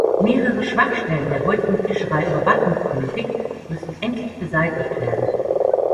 Mehrere Schwachstellen der heutigen Fischereiüberwachungspolitik müssen endlich beseitigt werden.